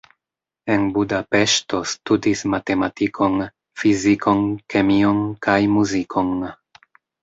En Budapeŝto studis matematikon, fizikon, kemion kaj muzikon.